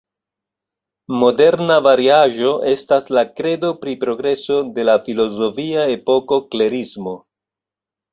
Moderna variaĵo estas la kredo pri progreso de la filozofia epoko klerismo.